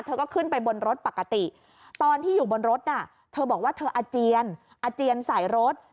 เธอก็ขึ้นไปบนรถปกติตอนที่อยู่บนรถน่ะเธอบอกว่าเธออาเจียนอาเจียนใส่รถ